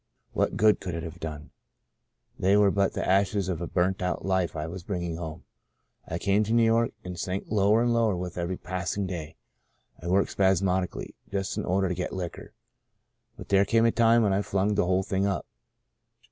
What good could it have done ? They were but the ashes of a burnt out life I was bringing home. I came to New York, and sank lower and lower with every passing day. I worked spasmodically, just in order to get liquor. But there came a time when I flung the whole thing up.